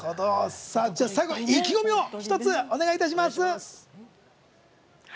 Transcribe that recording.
最後、意気込みをお願いします。